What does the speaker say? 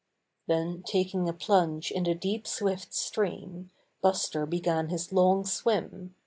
Then taking a plunge in the deep, swift stream, Buster began his long swim.